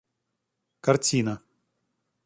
картина